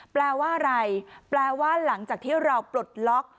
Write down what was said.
แปลว่าอะไรแปลว่าหลังจากที่เราปลดล็อก